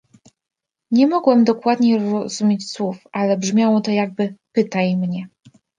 "Nie mogłem dokładnie rozumieć słów, ale brzmiało to jakby: „Pytaj mnie!"